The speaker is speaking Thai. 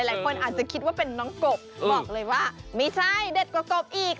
หลายคนอาจจะคิดว่าเป็นน้องกบบอกเลยว่าไม่ใช่เด็ดกว่ากบอีก